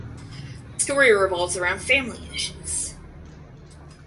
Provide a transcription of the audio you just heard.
The story revolves around family issues.